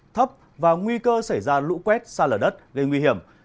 thấp và nguy cơ xảy ra lũ quét xa lở đất gây nguy hiểm